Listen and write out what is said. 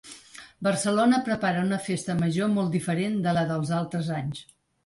Barcelona prepara una festa major molt diferent de la dels altres anys.